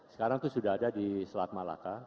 sekarang itu sudah ada di selat malaka